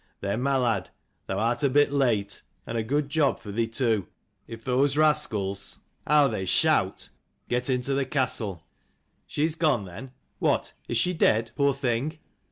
" Then, my lad, thou art a bit late : and a good job for thee too, if those rascals how 248 they shout! get into the castle.'* " She is gone then ? What, is she dead, poor thing?"